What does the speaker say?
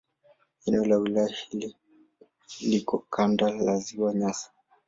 Eneo la wilaya hii liko kando la Ziwa Nyasa.